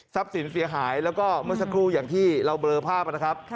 สินเสียหายแล้วก็เมื่อสักครู่อย่างที่เราเบลอภาพนะครับ